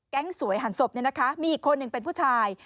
แก๊งสวยหันศพเนี่ยนะคะมีอีกคนหนึ่งเป็นผู้ชาย